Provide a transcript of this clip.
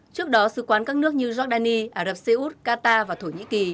trước đó sứ quán các nước như giordani ả rập xê út qatar và thổ nhĩ kỳ